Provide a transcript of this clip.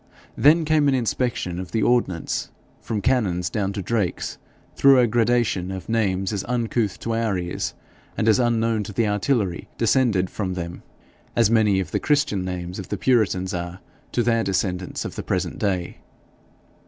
Then came an inspection of the ordnance, from cannons down to drakes, through a gradation of names as uncouth to our ears, and as unknown to the artillery descended from them, as many of the Christian names of the puritans are to their descendants of the present day.